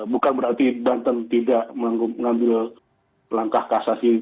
bukan berarti banten tidak mengambil langkah kasasi